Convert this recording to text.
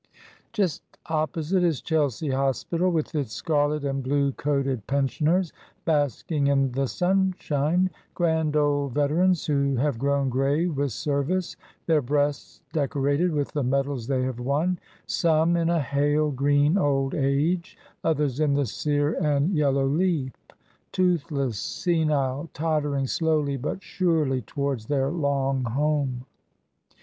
Just opposite is Chelsea Hospital, with its scarlet and blue coated pensioners, basking in the sunshine; grand old veterans who have grown grey with service, their breasts decorated with the medals they have won some in a hale, green old age, others in the sear and yellow leaf, toothless, senile, tottering slowly but surely towards their long home.